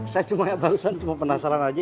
saya cuma barusan cuma penasaran aja